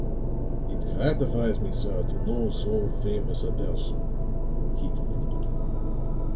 "It gratifies me, sir, to know so famous a person," he concluded.